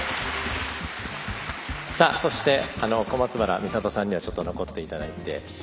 そして、小松原美里さんにはちょっと残っていただいて。